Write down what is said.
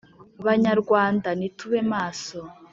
banyarwanda nitube maso